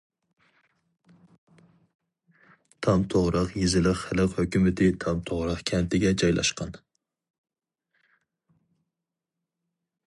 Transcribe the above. تامتوغراق يېزىلىق خەلق ھۆكۈمىتى تامتوغراق كەنتىگە جايلاشقان.